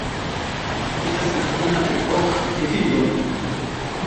Li estas la kvina el ok gefiloj.